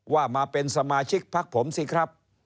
ว่ามาเป็นสมาชิกพักผมสิครับ